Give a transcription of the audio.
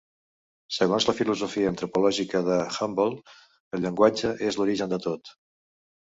Segons la filosofia antropològica de Humboldt el llenguatge és l'origen de tot.